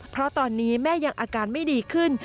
เพราะตอนนี้แม่ยังอาการไม่ดีขึ้น